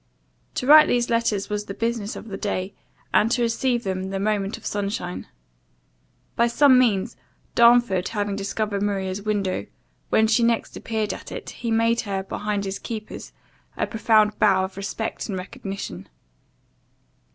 To write these letters was the business of the day, and to receive them the moment of sunshine. By some means, Darnford having discovered Maria's window, when she next appeared at it, he made her, behind his keepers, a profound bow of respect and recognition.